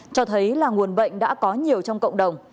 cho thấy là nguồn bệnh đã có nhiều trong cộng đồng